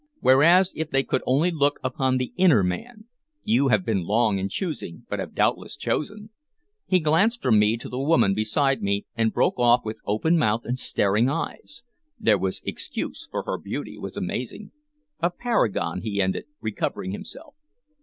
Whereas if they could only look upon the inner man! You have been long in choosing, but have doubtless chosen" He glanced from me to the woman beside me, and broke off with open mouth and staring eyes. There was excuse, for her beauty was amazing. "A paragon," he ended, recovering himself.